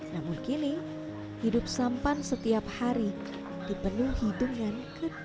namun kini hidup sampan setiap hari dipenuhi dengan kekuatan